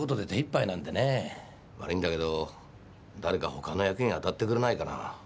悪いんだけど誰かほかの役員あたってくれないかな。